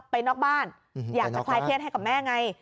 ไปนอกบ้านอยากจะคลายเครียดให้กับแม่ไง